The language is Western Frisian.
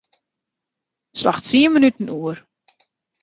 Slach tsien minuten oer.